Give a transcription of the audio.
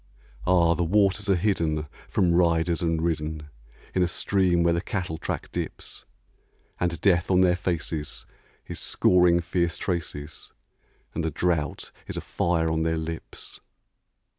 Ah! the waters are hidden from riders and ridden In a stream where the cattle track dips; And Death on their faces is scoring fierce traces, And the drouth is a fire on their lips.